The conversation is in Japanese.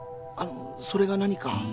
それが何か？